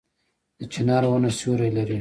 د چنار ونه سیوری لري